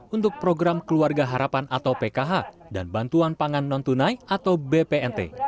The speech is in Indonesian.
untuk program keluarga harapan atau pkh dan bantuan pangan non tunai atau bpnt